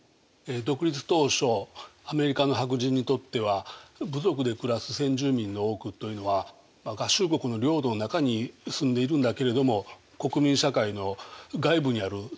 独立当初アメリカの白人にとっては部族で暮らす先住民の多くというのは合衆国の領土の中に住んでいるんだけれども国民社会の外部にある他者にすぎませんでした。